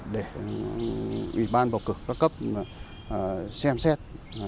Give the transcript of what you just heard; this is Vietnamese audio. để ủy ban bầu cử khắc cấp xem xét